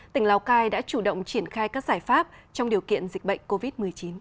tỉnh lào cai đã chủ động triển khai các giải pháp trong điều kiện dịch bệnh covid một mươi chín